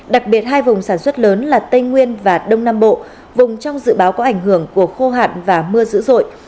đặc biệt hai vùng sản xuất lớn là tây nguyên và đông nam bộ vùng trong dự báo có ảnh hưởng của khô hạn và mưa dữ dội